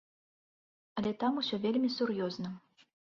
Але там усё вельмі сур'ёзна.